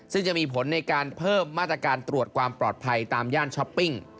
ซึ่งจะมีผลในการเพิ่มมาตรการตรวจความปลอดภัยตามย่านช้อปปิ้ง